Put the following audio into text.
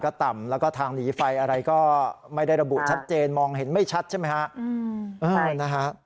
ก็ต่ำแล้วก็ทางหนีไฟอะไรก็ไม่ได้ระบุชัดเจนมองเห็นไม่ชัดใช่ไหมฮะ